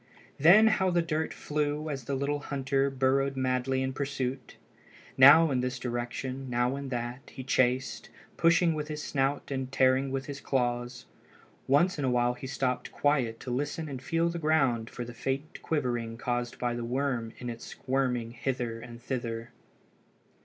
Then how the dirt flew as the little hunter burrowed madly in pursuit! Now in this direction, now in that, he chased, pushing with his snout and tearing with his claws. Once in a while he stopped quiet to listen and feel the ground for the faint quivering caused by the worm in its squirming hither and thither.